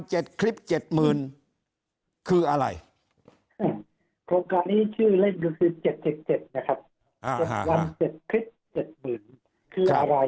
โครงการนี้ชื่อเล่นก็คือ๗๗๗นะครับ๗วัน๗คลิป๗๐๐๐๐คืออะไร